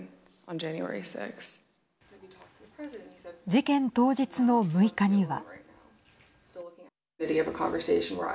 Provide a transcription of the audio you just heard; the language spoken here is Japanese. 事件当日の６日には。